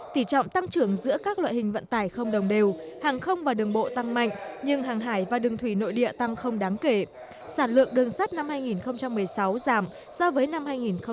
tỷ trọng tăng trưởng giữa các loại hình vận tải không đồng đều hàng không và đường bộ tăng mạnh nhưng hàng hải và đường thủy nội địa tăng không đáng kể sản lượng đường sắt năm hai nghìn một mươi sáu giảm so với năm hai nghìn một mươi bảy